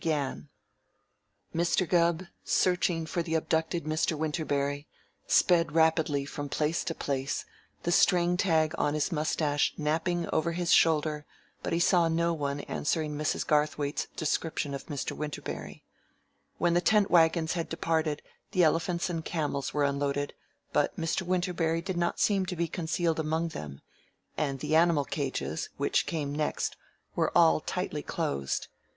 [Illustration: MR. WINTERBERRY DID NOT SEEM TO BE CONCEALED AMONG THEM] Mr. Gubb searching for the abducted Mr. Winterberry sped rapidly from place to place, the string tag on his mustache napping over his shoulder, but he saw no one answering Mrs. Garthwaite's description of Mr. Winterberry. When the tent wagons had departed, the elephants and camels were unloaded, but Mr. Winterberry did not seem to be concealed among them, and the animal cages which came next were all tightly closed.